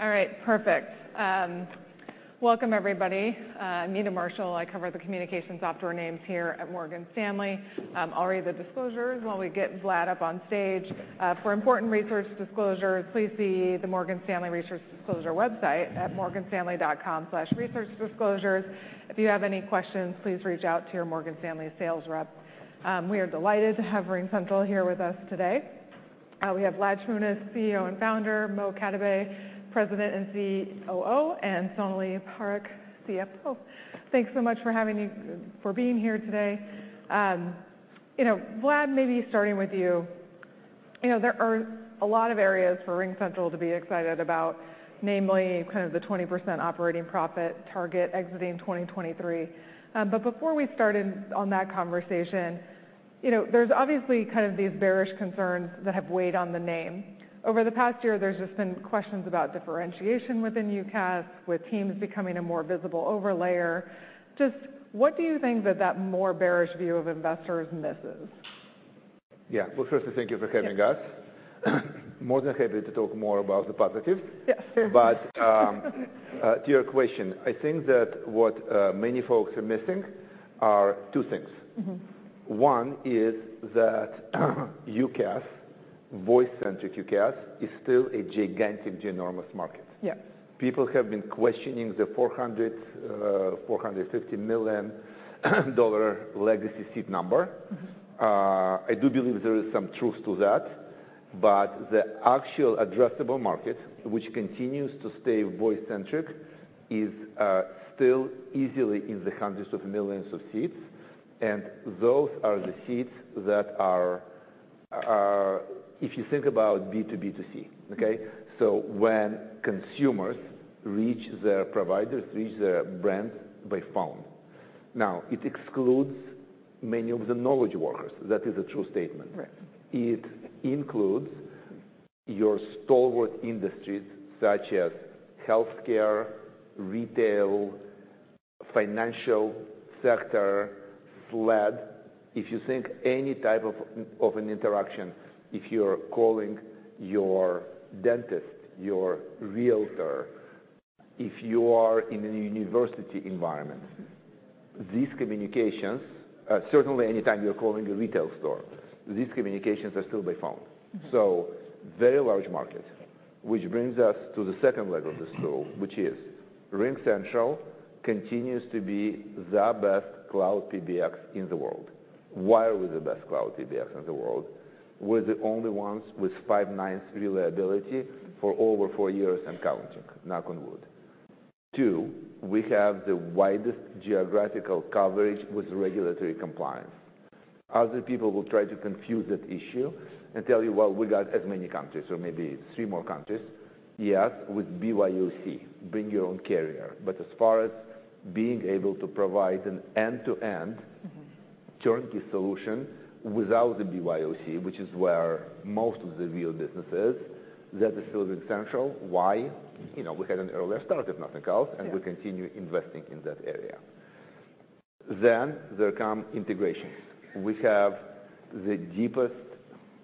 All right, perfect. Welcome everybody. Meta Marshall, I cover the communications software names here at Morgan Stanley. I'll read the disclosures while we get Vlad up on stage. For important research disclosures, please see the Morgan Stanley Research Disclosure website at morganstanley.com/researchdisclosures. If you have any questions, please reach out to your Morgan Stanley sales rep. We are delighted to have RingCentral here with us today. We have Vlad Shmunis, CEO and Founder, Mo Katibeh, President and COO, and Sonalee Parekh, CFO. Thanks so much for being here today. You know, Vlad, maybe starting with you. You know, there are a lot of areas for RingCentral to be excited about, namely kind of the 20% operating profit target exiting 2023. Before we start in on that conversation, you know, there's obviously kind of these bearish concerns that have weighed on the name. Over the past year, there's just been questions about differentiation within UCaaS, with Teams becoming a more visible overlayer. Just what do you think that more bearish view of investors misses? Yeah. Well, first, thank you for having us. Yeah. More than happy to talk more about the positive. Yeah. To your question, I think that what many folks are missing are two things. Mm-hmm. One is that UCaaS, voice-centric UCaaS, is still a gigantic, ginormous market. Yeah. People have been questioning the $450 million legacy seat number. Mm-hmm. I do believe there is some truth to that, the actual addressable market, which continues to stay voice-centric, is still easily in the hundreds of millions of seats, and those are the seats that are... If you think about B2B2C. Okay? When consumers reach their providers, reach their brands by phone. It excludes many of the knowledge workers. That is a true statement. Right. It includes your stalwart industries such as healthcare, retail, financial sector, flat. If you think any type of an interaction, if you're calling your dentist, your realtor, if you are in a university environment, certainly anytime you're calling a retail store, these communications are still by phone. Mm-hmm. Very large market. Which brings us to the second leg of the stool, which is RingCentral continues to be the best cloud PBX in the world. Why are we the best cloud PBX in the world? We're the only ones with five nines reliability for over four years and counting. Knock on wood. Two, we have the widest geographical coverage with regulatory compliance. Other people will try to confuse that issue and tell you, "Well, we got as many countries or maybe three more countries." Yes, with BYOC, bring your own carrier. As far as being able to provide an end-to-end- Mm-hmm. -turnkey solution without the BYOC, which is where most of the real business is, that is still with Central. Why? You know, we had an earlier start, if nothing else. Yeah. We continue investing in that area. There come integrations. We have the deepest,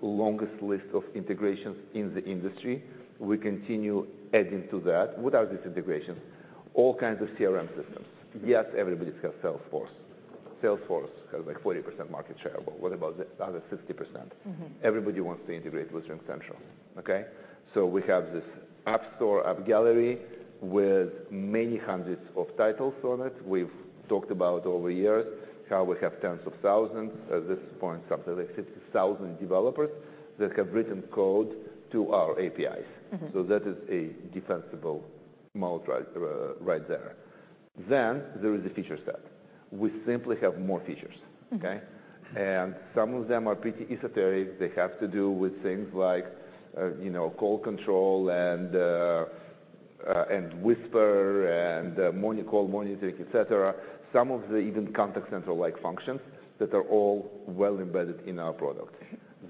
longest list of integrations in the industry. We continue adding to that. What are these integrations? All kinds of CRM systems. Yes, everybody's got Salesforce. Salesforce has like 40% market share, but what about the other 60%? Mm-hmm. Everybody wants to integrate with RingCentral. Okay? We have this App Store, App Gallery with many hundreds of titles on it. We've talked about over years how we have tens of thousands, at this point, something like 50,000 developers that have written code to our APIs. Mm-hmm. That is a defensible moat right there. Then there is the feature set. We simply have more features. Mm-hmm. Okay? Some of them are pretty esoteric. They have to do with things like, you know, call control and whisper and call monitoring, et cetera. Some of the even Contact Center-like functions that are all well embedded in our product.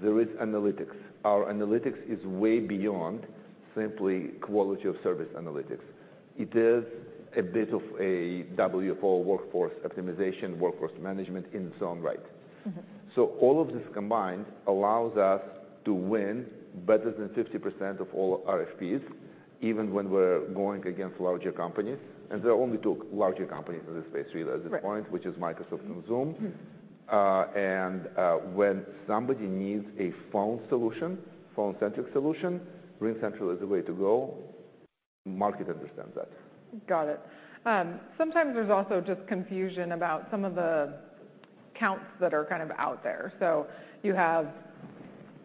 There is analytics. Our analytics is way beyond simply quality of service analytics. It is a bit of a WFO, workforce optimization, workforce management in its own right. Mm-hmm. All of this combined allows us to win better than 50% of all RFPs, even when we're going against larger companies, and there are only two larger companies in this space really at this point. Right. which is Microsoft and Zoom. Mm-hmm. When somebody needs a phone solution, phone-centric solution, RingCentral is the way to go. Market understands that. Got it. Sometimes there's also just confusion about some of the counts that are kind of out there. You have,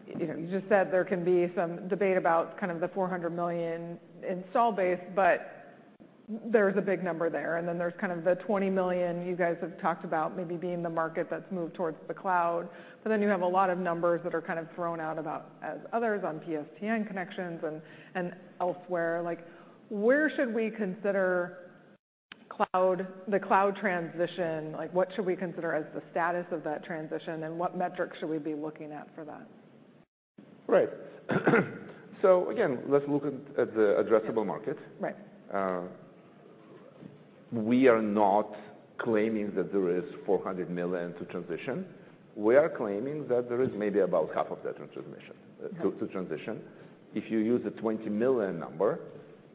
you know, you just said there can be some debate about kind of the $400 million install base, but there's a big number there. There's kind of the $20 million you guys have talked about maybe being the market that's moved towards the cloud. You have a lot of numbers that are kind of thrown out about as others on PSTN connections and elsewhere. Like, where should we consider cloud, the cloud transition? Like, what should we consider as the status of that transition, and what metrics should we be looking at for that? Right. Again, let's look at the addressable market. Right. We are not claiming that there is $400 million to transition. We are claiming that there is maybe about half of that to transition. If you use the $20 million number,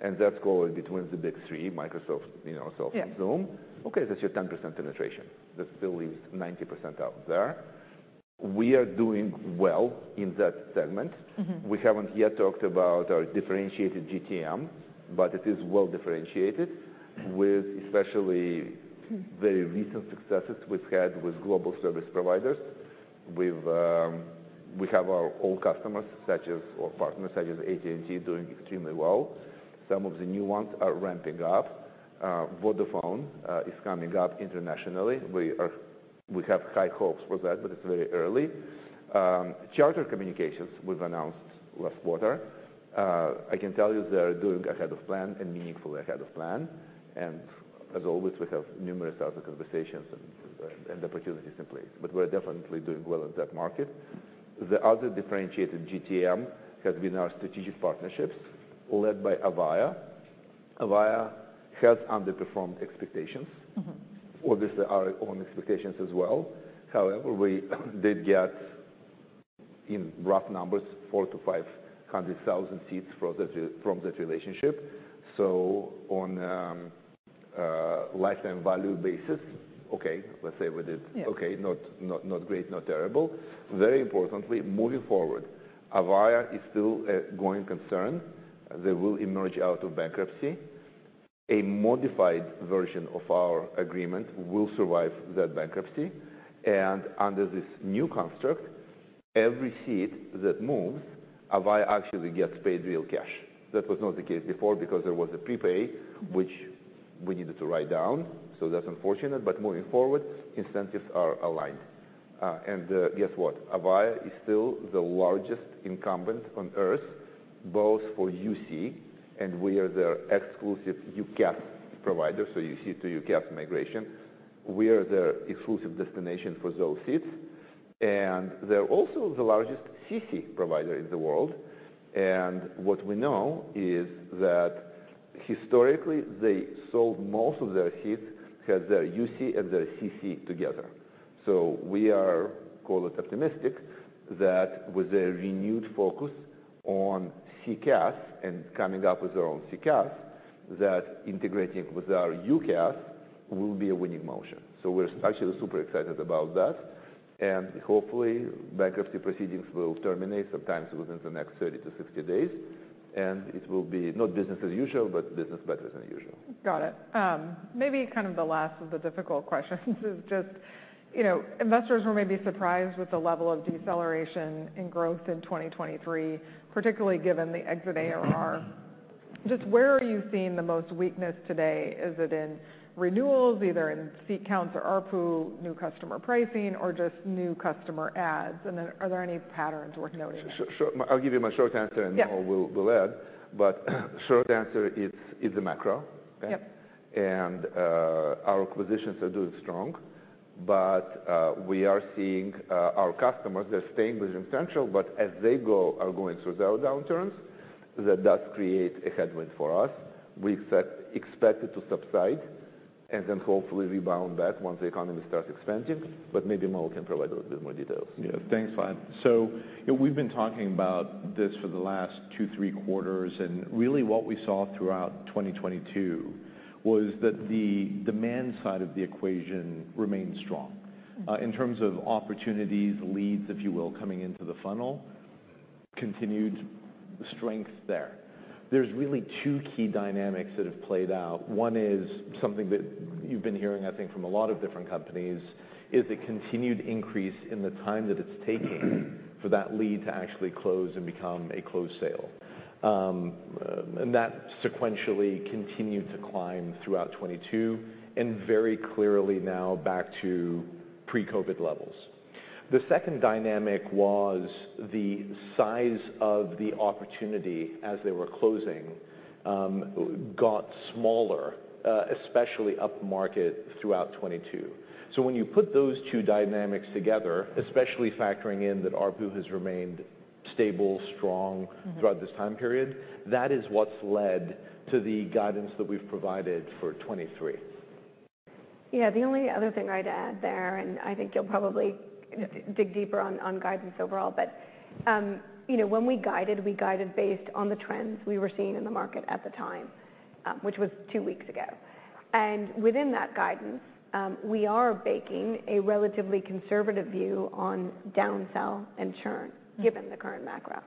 and that's going between the big three, Microsoft, you know, Microsoft and Zoom. Yeah. Okay, that's your 10% penetration. That still leaves 90% out there. We are doing well in that segment. Mm-hmm. We haven't yet talked about our differentiated GTM. It is well-differentiated with especially very recent successes we've had with global service providers. We have our old partners such as AT&T doing extremely well. Some of the new ones are ramping up. Vodafone is coming up internationally. We have high hopes for that. It's very early. Charter Communications we've announced last quarter. I can tell you they're doing ahead of plan and meaningfully ahead of plan. As always, we have numerous other conversations and opportunities in place. We're definitely doing well in that market. The other differentiated GTM has been our strategic partnerships led by Avaya. Avaya has underperformed expectations. Mm-hmm. Obviously our own expectations as well. However, we did get, in rough numbers, 400,000-500,000 seats from that relationship. On lifetime value basis, okay, let's say we did. Yeah. Okay, not great, not terrible. Very importantly, moving forward, Avaya is still a growing concern. They will emerge out of bankruptcy. A modified version of our agreement will survive that bankruptcy. Under this new construct, every seat that moves, Avaya actually gets paid real cash. That was not the case before because there was a prepay, which we needed to write down, so that's unfortunate. Moving forward, incentives are aligned. Guess what? Avaya is still the largest incumbent on Earth, both for UC, and we are their exclusive UCaaS provider, so UC to UCaaS migration. We are their exclusive destination for those seats. They're also the largest CC provider in the world. What we know is that historically, they sold most of their seats as their UC and their CC together. We are, call it optimistic, that with a renewed focus on CCaaS and coming up with their own CCaaS, that integrating with our UCaaS will be a winning motion. We're actually super excited about that. Hopefully, bankruptcy proceedings will terminate sometimes within the next 30 to 60 days, and it will be not business as usual, but business better than usual. Got it. Maybe kind of the last of the difficult questions is just, you know, investors were maybe surprised with the level of deceleration in growth in 2023, particularly given the exit ARR. Just where are you seeing the most weakness today? Is it in renewals, either in seat counts or ARPU, new customer pricing, or just new customer adds? Are there any patterns worth noting there? I'll give you my short answer. Yeah. Mo will add. Short answer, it's the macro. Okay? Yep. Our acquisitions are doing strong, but we are seeing our customers, they're staying within RingCentral, but as they are going through their downturns, that does create a headwind for us. We expect it to subside and then hopefully rebound back once the economy starts expanding. Maybe Mo can provide a little bit more details. Yeah. Thanks, Vlad. We've been talking about this for the last two, three quarters, and really what we saw throughout 2022 was that the demand side of the equation remained strong. In terms of opportunities, leads, if you will, coming into the funnel, continued strength there. There's really two key dynamics that have played out. One is something that you've been hearing, I think, from a lot of different companies, is the continued increase in the time that it's taking for that lead to actually close and become a closed sale. That sequentially continued to climb throughout 2022 and very clearly now back to pre-COVID levels. The second dynamic was the size of the opportunity as they were closing, got smaller, especially upmarket throughout 2022. When you put those two dynamics together, especially factoring in that ARPU has remained stable, strong- Mm-hmm. Throughout this time period, that is what's led to the guidance that we've provided for 2023. Yeah. The only other thing I'd add there, I think you'll probably dig deeper on guidance overall. When we guided, we guided based on the trends we were seeing in the market at the time, which was two weeks ago. Within that guidance, we are baking a relatively conservative view on down-sell and churn given the current macro.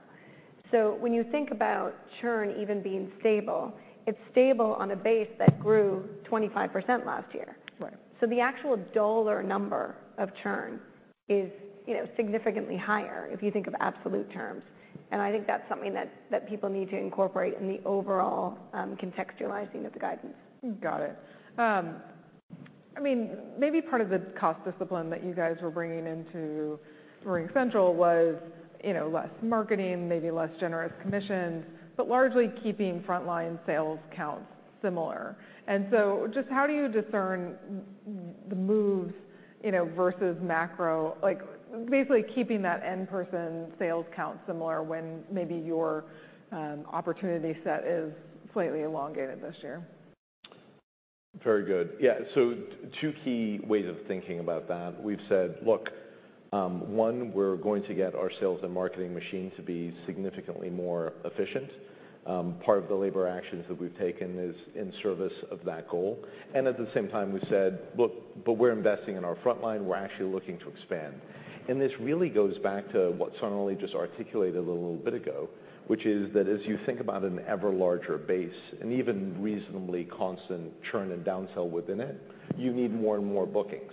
When you think about churn even being stable, it's stable on a base that grew 25% last year. Right. The actual dollar number of churn is, you know, significantly higher if you think of absolute terms. I think that's something that people need to incorporate in the overall contextualizing of the guidance. Got it. I mean, maybe part of the cost discipline that you guys were bringing into RingCentral was, you know, less marketing, maybe less generous commissions, but largely keeping frontline sales counts similar. Just how do you discern the move, you know, versus macro, like basically keeping that end person sales count similar when maybe your opportunity set is slightly elongated this year? Very good. Yeah. Two key ways of thinking about that. We've said, look, one, we're going to get our sales and marketing machine to be significantly more efficient. Part of the labor actions that we've taken is in service of that goal, and at the same time we said, "Look, but we're investing in our frontline. We're actually looking to expand." This really goes back to what Sonalee just articulated a little bit ago, which is that as you think about an ever larger base and even reasonably constant churn and down sell within it, you need more and more bookings.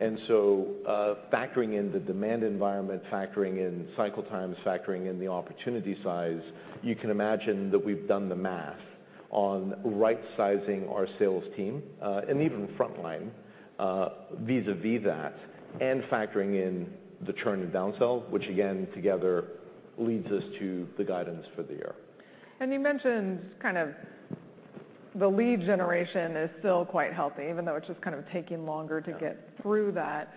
Factoring in the demand environment, factoring in cycle times, factoring in the opportunity size, you can imagine that we've done the math on right sizing our sales team, and even frontline, vis-a-vis that and factoring in the churn and down sell, which again, together leads us to the guidance for the year. You mentioned kind of the lead generation is still quite healthy even though it's just kind of taking longer to get through that.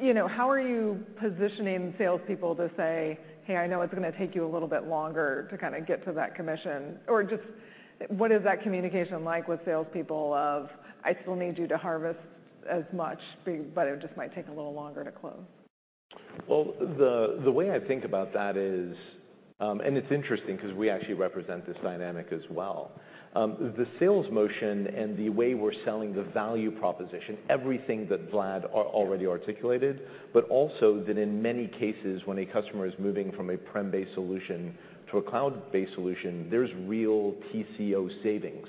You know, how are you positioning salespeople to say, "Hey, I know it's gonna take you a little bit longer to kind of get to that commission," or just what is that communication like with salespeople of, "I still need you to harvest as much but it just might take a little longer to close"? Well, the way I think about that is, and it's interesting 'cause we actually represent this dynamic as well, the sales motion and the way we're selling the value proposition, everything that Vlad already articulated, but also that in many cases when a customer is moving from a prem-based solution to a cloud-based solution, there's real TCO savings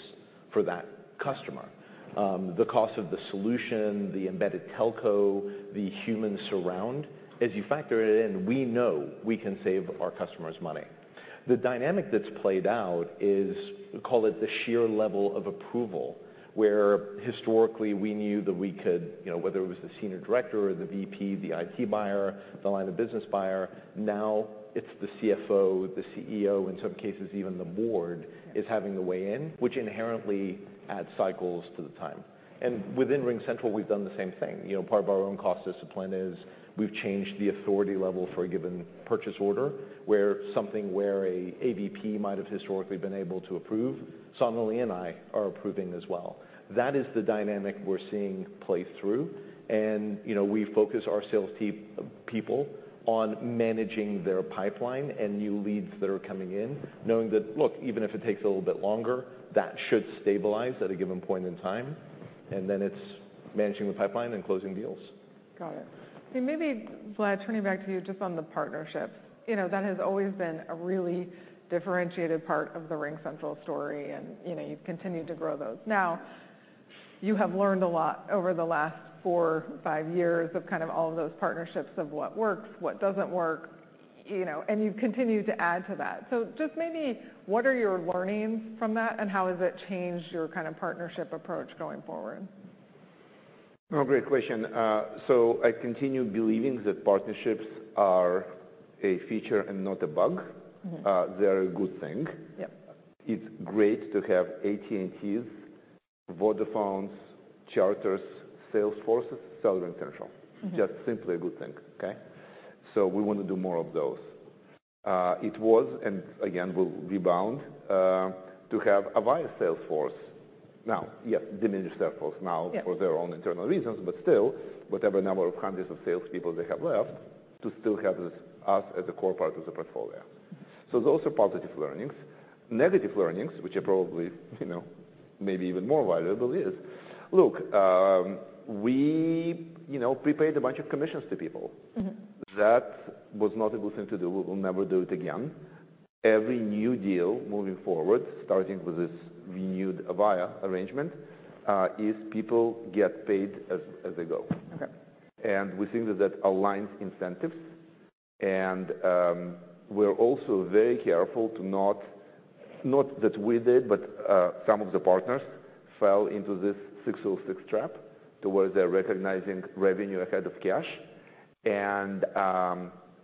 for that customer. The cost of the solution, the embedded telco, the human surround, as you factor it in, we know we can save our customers money. The dynamic that's played out is, call it the sheer level of approval, where historically we knew that we could, you know, whether it was the senior director or the VP, the IT buyer, the line of business buyer, now it's the CFO, the CEO, in some cases even the board is having to weigh in, which inherently adds cycles to the time. Within RingCentral, we've done the same thing. You know, part of our own cost discipline is we've changed the authority level for a given purchase order where something where an AVP might have historically been able to approve, Sonalee and I are approving as well. That is the dynamic we're seeing play through. You know, we focus our sales people on managing their pipeline and new leads that are coming in, knowing that, look, even if it takes a little bit longer, that should stabilize at a given point in time, and then it's managing the pipeline and closing deals. Got it. Maybe, Vlad, turning back to you just on the partnerships, you know, that has always been a really differentiated part of the RingCentral story and, you know, you've continued to grow those. Now, you have learned a lot over the last four, five years of kind of all of those partnerships of what works, what doesn't work, you know, and you've continued to add to that. Just maybe what are your learnings from that, and how has it changed your kind of partnership approach going forward? Oh, great question. I continue believing that partnerships are a feature and not a bug. Mm-hmm. They're a good thing. Yep. It's great to have AT&Ts, Vodafones, Charters, Salesforces sell RingCentral. Mm-hmm. Just simply a good thing. Okay? We want to do more of those. It was, and again, we'll rebound, to have Avaya Salesforce now. Yes, diminished. Yeah... for their own internal reasons, but still, whatever number of hundreds of salespeople they have left to still have this, us as a core part of the portfolio. Those are positive learnings. Negative learnings, which are probably, you know, maybe even more valuable is, look, we, you know, pre-paid a bunch of commissions to people. Mm-hmm. That was not a good thing to do. We will never do it again. Every new deal moving forward, starting with this renewed Avaya arrangement, is people get paid as they go. Okay. We think that that aligns incentives and we're also very careful not that we did, but some of the partners fell into this ASC 606 trap towards their recognizing revenue ahead of cash and,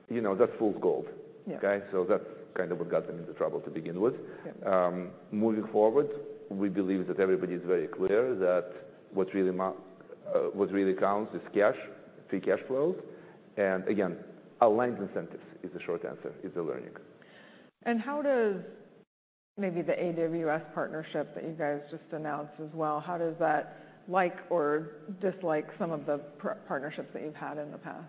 you know, that's fool's gold. Yeah. Okay? That's kind of what got them into trouble to begin with. Yeah. moving forward, we believe that everybody's very clear that what really counts is cash, free cash flow, and again, aligns incentives is the short answer, is the learning. how does maybe the AWS partnership that you guys just announced as well, how does that like or dislike some of the partnerships that you've had in the past?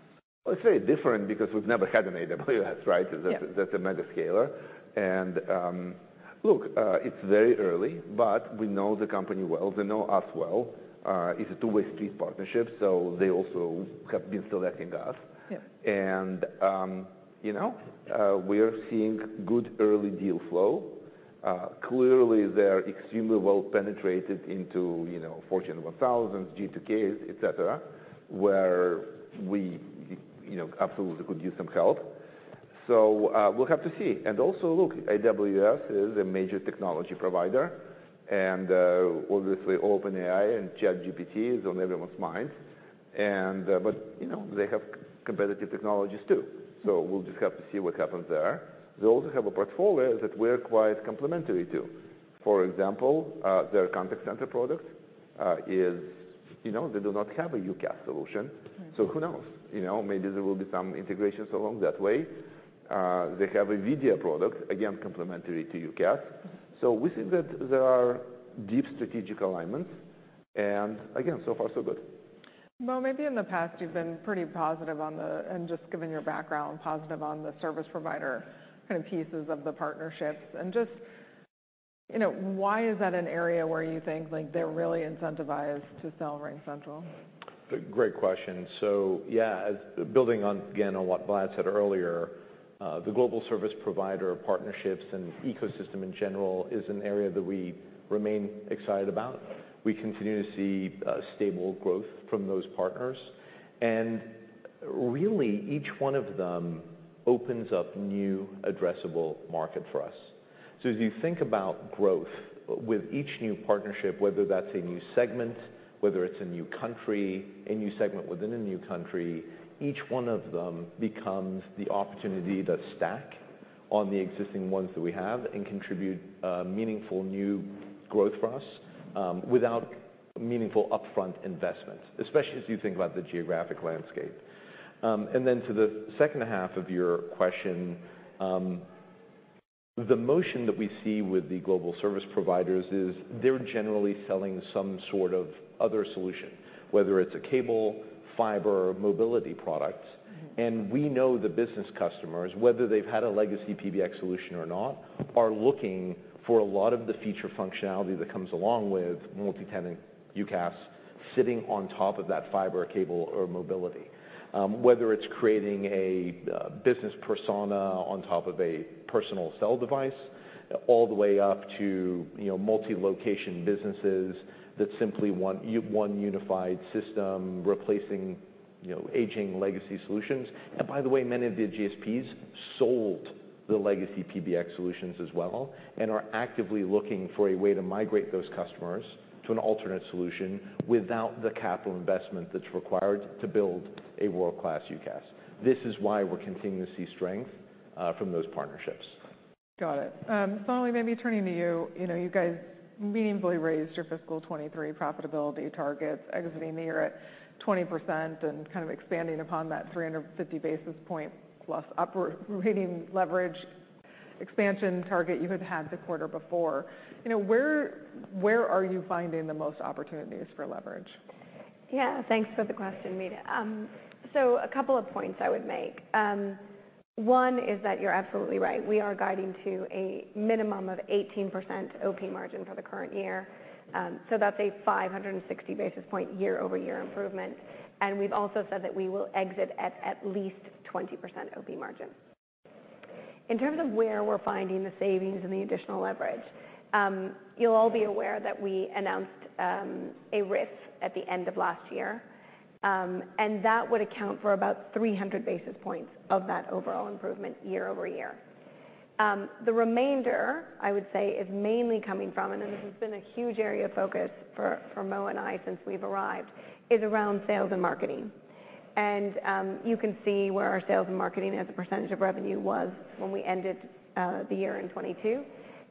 It's very different because we've never had an AWS, right? Yeah. That's a mega scaler. Look, it's very early, but we know the company well. They know us well. It's a two-way street partnership, they also have been selecting us. Yeah. You know, we are seeing good early deal flow. Clearly they're extremely well penetrated into, you know, Fortune 1000s, G2Ks, et cetera, where we, you know, absolutely could use some help. We'll have to see. Look, AWS is a major technology provider and, obviously OpenAI and ChatGPT is on everyone's mind and, but you know, they have competitive technologies too. We'll just have to see what happens there. They also have a portfolio that we're quite complimentary to. For example, their contact center product is, you know, they do not have a UCaaS solution, who knows? You know, maybe there will be some integrations along that way. They have a video product, again complementary to UCaaS. We think that there are deep strategic alignments and again, so far, so good. Mo, maybe in the past you've been pretty positive on the... just given your background, positive on the service provider kind of pieces of the partnerships and just, you know, why is that an area where you think, like, they're really incentivized to sell RingCentral? Great question. Building on, again, on what Vlad said earlier, the global service provider partnerships and ecosystem in general is an area that we remain excited about. We continue to see stable growth from those partners. Each one of them opens up new addressable market for us. As you think about growth with each new partnership, whether that's a new segment, whether it's a new country, a new segment within a new country, each one of them becomes the opportunity to stack on the existing ones that we have and contribute meaningful new growth for us, without meaningful upfront investment, especially as you think about the geographic landscape. To the second half of your question, the motion that we see with the global service providers is they're generally selling some sort of other solution, whether it's a cable, fiber, mobility products. Mm-hmm. We know the business customers, whether they've had a legacy PBX solution or not, are looking for a lot of the feature functionality that comes along with multi-tenant UCaaS sitting on top of that fiber cable or mobility. Whether it's creating a business persona on top of a personal cell device, all the way up to, you know, multi-location businesses that simply want one unified system replacing, you know, aging legacy solutions. By the way, many of the GSP sold the legacy PBX solutions as well and are actively looking for a way to migrate those customers to an alternate solution without the capital investment that's required to build a world-class UCaaS. This is why we're continuing to see strength from those partnerships. Got it. Sonalee, maybe turning to you. You know, you guys meaningfully raised your fiscal 2023 profitability targets, exiting the year at 20% and kind of expanding upon that 350 basis point plus upward rating leverage expansion target you had the quarter before. You know, where are you finding the most opportunities for leverage? Yeah, thanks for the question, Meta. A couple of points I would make. One is that you're absolutely right. We are guiding to a minimum of 18% Op margin for the current year. That's a 560 basis point year-over-year improvement. We've also said that we will exit at at least 20% Op margin. In terms of where we're finding the savings and the additional leverage, you'll all be aware that we announced a RIF at the end of last year, and that would account for about 300 basis points of that overall improvement year-over-year. The remainder, I would say, is mainly coming from, and this has been a huge area of focus for Mo and I since we've arrived, is around sales and marketing. You can see where our sales and marketing as a percentage of revenue was when we ended the year in 2022,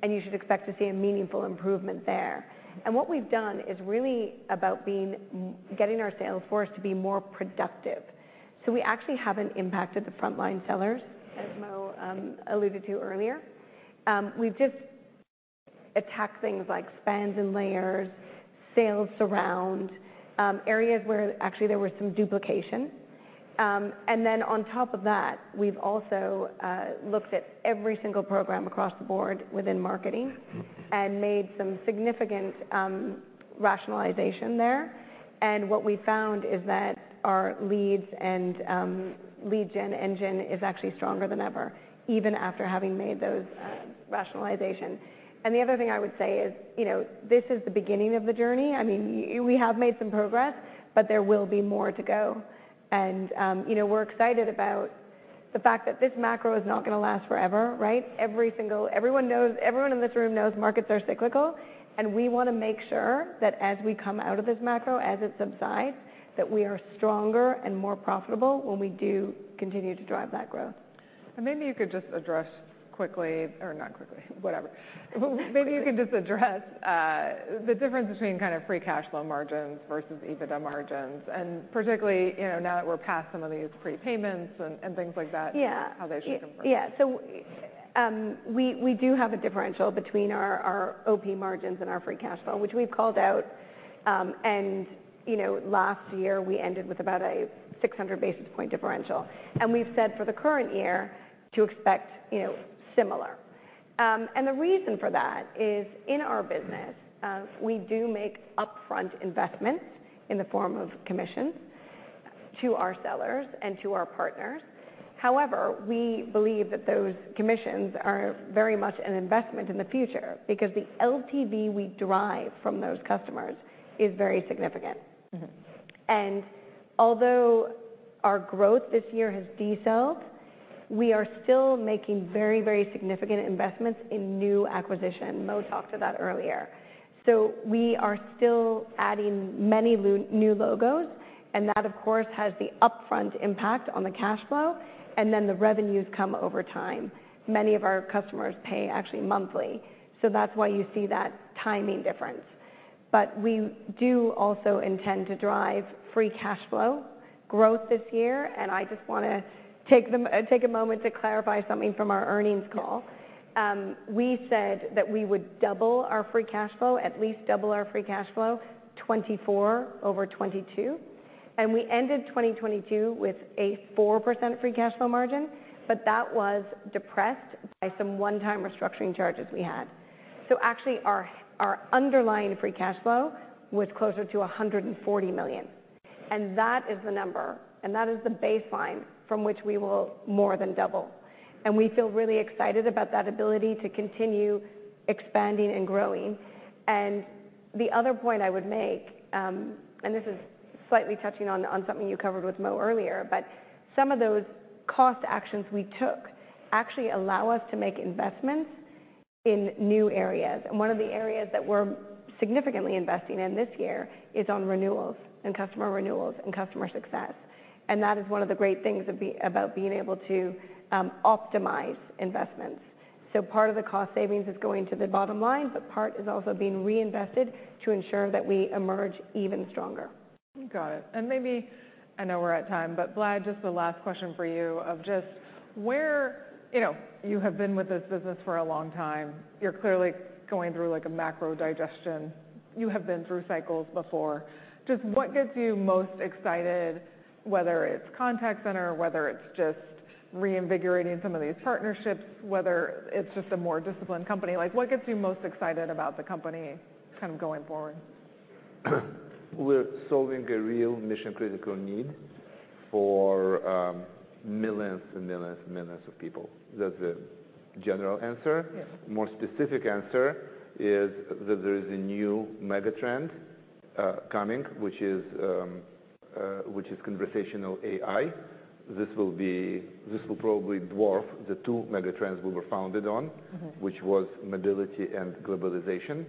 and you should expect to see a meaningful improvement there. What we've done is really about getting our sales force to be more productive. We actually haven't impacted the frontline sellers, as Mo alluded to earlier. We've just attacked things like spans and layers, sales surround, areas where actually there was some duplication. Then on top of that, we've also, looked at every single program across the board within marketing and made some significant, rationalization there. What we found is that our leads and, lead gen engine is actually stronger than ever, even after having made those, rationalization. The other thing I would say is, you know, this is the beginning of the journey. I mean, we have made some progress, but there will be more to go. You know, we're excited about the fact that this macro is not gonna last forever, right? Everyone knows, everyone in this room knows markets are cyclical, and we wanna make sure that as we come out of this macro, as it subsides, that we are stronger and more profitable when we do continue to drive that growth. Maybe you could just address quickly, or not quickly, whatever. Maybe you can just address the difference between kind of free cash flow margins versus EBITDA margins, and particularly, you know, now that we're past some of these prepayments and things like that. Yeah. How they should convert. We do have a differential between our Op margins and our free cash flow, which we've called out. You know, last year we ended with about a 600 basis point differential. We've said for the current year to expect, you know, similar. The reason for that is, in our business, we do make upfront investments in the form of commissions to our sellers and to our partners. However, we believe that those commissions are very much an investment in the future because the LTV we derive from those customers is very significant. Mm-hmm. Although our growth this year has decelerated, we are still making very, very significant investments in new acquisition. Mo talked to that earlier. We are still adding many new logos. That, of course, has the upfront impact on the cash flow, and then the revenues come over time. Many of our customers pay actually monthly, so that's why you see that timing difference. We do also intend to drive free cash flow growth this year, and I just wanna take a moment to clarify something from our earnings call. We said that we would double our free cash flow, at least double our free cash flow, 2024 over 2022. We ended 2022 with a 4% free cash flow margin, but that was depressed by some one-time restructuring charges we had. Actually, our underlying free cash flow was closer to $140 million, and that is the number, and that is the baseline from which we will more than double. We feel really excited about that ability to continue expanding and growing. The other point I would make, and this is slightly touching on something you covered with Mo earlier, but some of those cost actions we took actually allow us to make investments in new areas. One of the areas that we're significantly investing in this year is on renewals and customer renewals and customer success. That is one of the great things about being able to optimize investments. Part of the cost savings is going to the bottom line, but part is also being reinvested to ensure that we emerge even stronger. Got it. Maybe, I know we're at time, but Vlad, just the last question for you of just where... You know, you have been with this business for a long time. You're clearly going through like a macro digestion. You have been through cycles before. Just what gets you most excited, whether it's contact center, whether it's just reinvigorating some of these partnerships, whether it's just a more disciplined company, like what gets you most excited about the company kind of going forward? We're solving a real mission-critical need for, millions and millions and millions of people. That's a general answer. Yes. More specific answer is that there is a new mega trend, coming, which is, which is Conversational AI. This will probably dwarf the two mega trends we were founded on. Mm-hmm Which was mobility and globalization.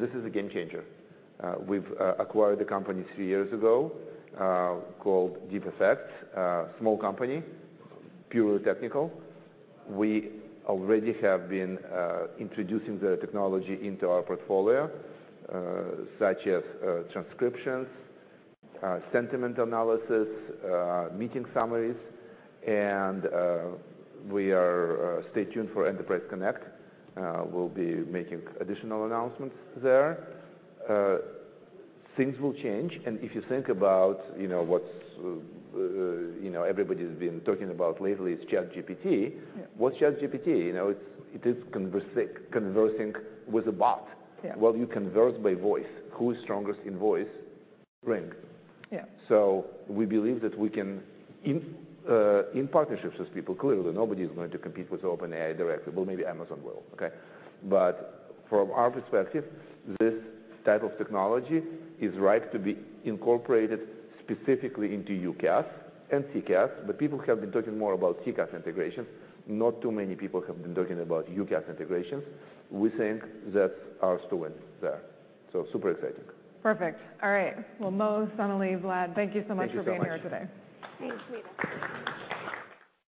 This is a game changer. We've acquired the company three years ago, called DeepAffects, a small company, purely technical. We already have been introducing the technology into our portfolio, such as transcriptions, sentiment analysis, meeting summaries. We are stay tuned for Enterprise Connect. We'll be making additional announcements there. Things will change, if you think about, you know, what's, you know, everybody's been talking about lately is ChatGPT. Yeah. What's ChatGPT? You know, it is conversing with a bot. Yeah. Well, you converse by voice. Who is strongest in voice? RingCentral. Yeah. We believe that we can in partnerships with people, clearly, nobody's going to compete with OpenAI directly. Maybe Amazon will. Okay? From our perspective, this type of technology is right to be incorporated specifically into UCaaS and CCaaS. People have been talking more about CCaaS integration. Not too many people have been talking about UCaaS integrations. We think that our strengths there, super exciting. Perfect. All right. Well, Mo, Sonalee, Vlad, thank you so much for being here today. Thank you so much. Thanks, Meta.